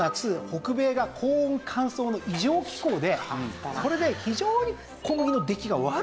北米が高温乾燥の異常気象でそれで非常に小麦の出来が悪かったんですよ。